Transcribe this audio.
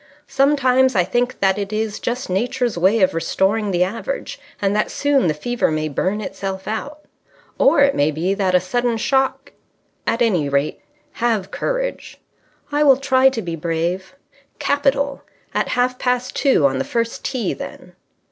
Sometimes I think that it is just Nature's way of restoring the average, and that soon the fever may burn itself out. Or it may be that a sudden shock ... At any rate, have courage." "I will try to be brave." "Capital! At half past two on the first tee, then."